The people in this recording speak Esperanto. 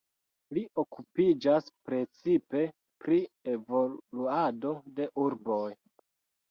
Li okupiĝas precipe pri evoluado de urboj.